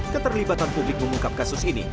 keterlibatan publik mengungkap kasus ini